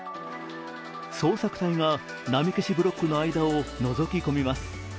捜索隊が波消しブロックの間をのぞき込みます。